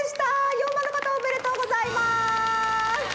④ばんのかたおめでとうございます！